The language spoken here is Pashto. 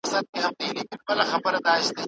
شاه محمود د دښمن هر ډول دسیسه شنډه کړه.